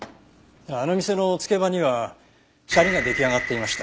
あの店のつけ場にはシャリが出来上がっていました。